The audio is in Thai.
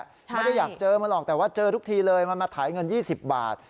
ไม่ได้อยากเจอมันหรอกแต่ว่าเจอทุกทีเลยมันมาถ่ายเงิน๒๐บาท